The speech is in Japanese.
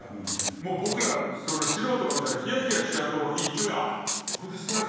もう僕ら素人が見たらヒヤヒヤしちゃうところ１球目これでストライクとれるんだ！